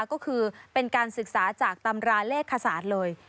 ก็คือเป็นการศึกษาจากตำราเลขคศาสตร์เลย